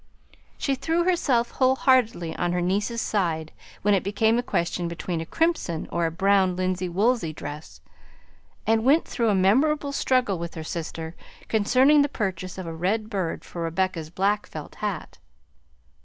She threw herself wholeheartedly on her niece's side when it became a question between a crimson or a brown linsey woolsey dress, and went through a memorable struggle with her sister concerning the purchase of a red bird for Rebecca's black felt hat.